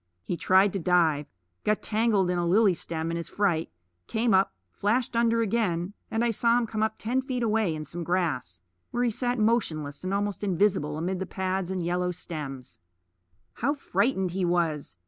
He tried to dive; got tangled in a lily stem in his fright; came up, flashed under again; and I saw him come up ten feet away in some grass, where he sat motionless and almost invisible amid the pads and yellow stems. How frightened he was!